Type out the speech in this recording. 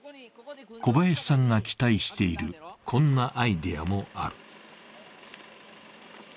小林さんが期待している、こんなアイデアもある。